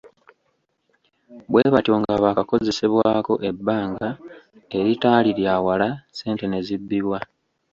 Bwe batyo nga baakakozesebwako ebbanga eritaali lya wala, ssente ne zibbibwa.